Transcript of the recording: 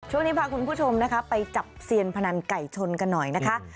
ช่วงนี้พาคุณผู้ชมนะคะไปจับเซียนพนันไก่ชนกันหน่อยนะคะ